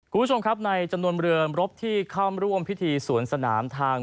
คุณผู้ชมครับในจำนวนเรือรบที่เข้าร่วมพิธีสวนสนามทาง